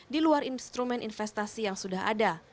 di luar instrumen investasi yang sudah ada